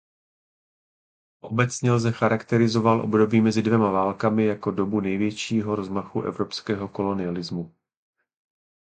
Obecně lze charakterizoval období mezi dvěma válkami jako dobu největšího rozmachu evropského kolonialismu.